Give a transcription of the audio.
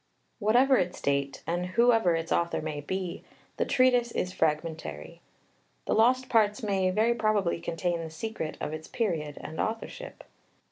Whatever its date, and whoever its author may be, the Treatise is fragmentary. The lost parts may very probably contain the secret of its period and authorship.